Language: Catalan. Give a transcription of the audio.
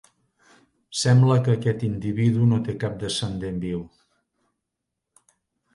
Sembla que aquest individu no té cap descendent viu.